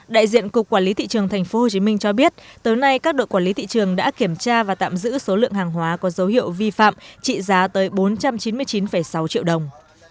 đại diện cục quản lý thị trường tp hcm cho biết tới nay các đội quản lý thị trường đã kiểm tra và tạm giữ số lượng hàng hóa có dấu hiệu vi phạm trị giá tới bốn trăm chín mươi chín sáu triệu đồng